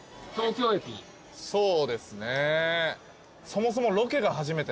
そうですね。